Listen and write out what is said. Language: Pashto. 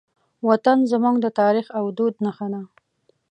وطن زموږ د تاریخ او دود نښه ده.